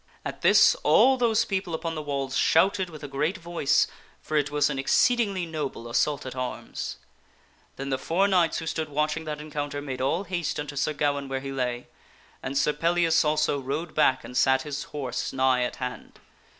At this, all those people upon the walls shouted with a great voice, for it was an exceedingly noble assault at arms. Then the four knights who stood watching that encounter made all haste unto Sir Gawaine where he lay ; and Sir Pellias also rode back and sat his horse nigh at hand.